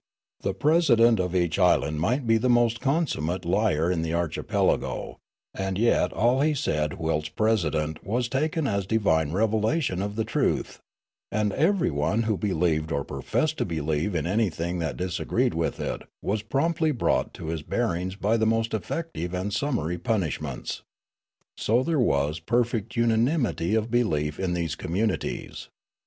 The president of each island might be the most consummate liar in the aichipelago, and yet all he said whilst pre sident was taken as divine revelation of the truth ; and everj'one who believed or professed to believe in any thing that disagreed with it was promptly brought to his bearings bj^ the most eflfective and summary pun ishments. So there was perfect unanimity of belief in these communities.